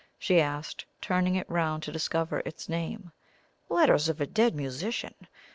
she asked, turning it round to discover its name. "'Letters of a Dead Musician!'